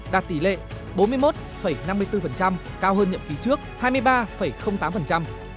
đạt tỷ lệ bốn mươi một năm mươi bốn cao hơn nhiệm kỳ trước hai mươi ba tám